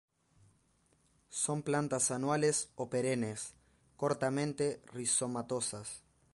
Son plantas anuales o perennes, cortamente rizomatosas.